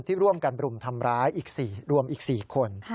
ที่ร่วมกันรุมทำร้ายอีกรวมอีก๔คน